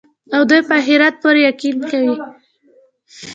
او دوى په آخرت پوره يقين كوي